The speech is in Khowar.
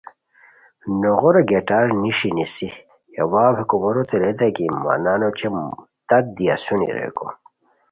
نوغورو گیٹار نیݰی نیسی ہے واؤ ہے کوموروتے ریتائے کی مہ نان اوچے تت دی اسونی ریکو